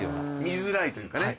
見づらいというかね。